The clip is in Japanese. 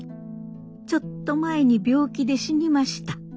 ちょっと前に病気で死にました。